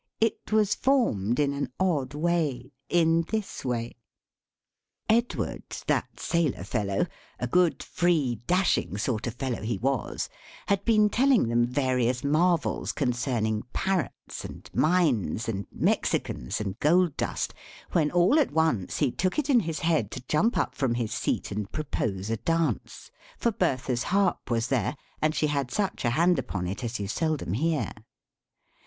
It was formed in an odd way; in this way. Edward, that sailor fellow a good free dashing sort of fellow he was had been telling them various marvels concerning parrots, and mines, and Mexicans, and gold dust, when all at once he took it in his head to jump up from his seat and propose a dance; for Bertha's harp was there, and she had such a hand upon it as you seldom hear.